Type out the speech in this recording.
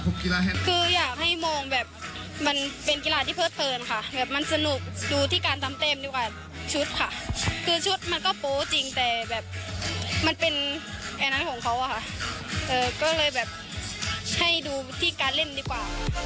ก็เลยแบบให้ดูที่การเล่นดีกว่า